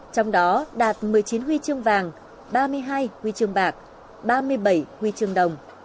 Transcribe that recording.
trong đó đạt một mươi chín huy chương vàng ba mươi hai huy chương bạc ba mươi bảy huy chương đồng